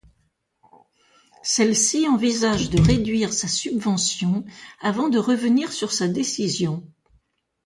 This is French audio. Celle-ci envisage de réduire sa subvention avant de revenir sur sa décision.